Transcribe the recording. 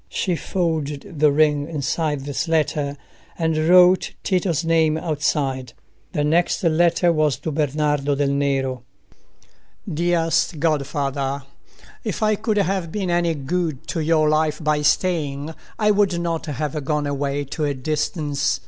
She folded the ring inside this letter, and wrote Tito's name outside. The next letter was to Bernardo del Nero:— "Dearest Godfather,—If I could have been any good to your life by staying I would not have gone away to a distance.